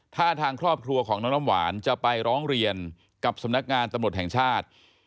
ถ้าทางครอบครัวของน้องน้ำหวานจะไปร้องเรียนกับสำนักงานตำรวจแห่งชาติ